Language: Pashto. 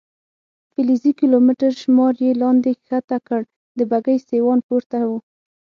فلزي کیلومتر شمار یې لاندې کښته کړ، د بګۍ سیوان پورته و.